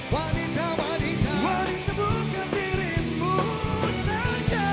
wanita wanita bukan dirimu saja